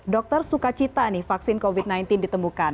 dokter suka cita nih vaksin covid sembilan belas ditemukan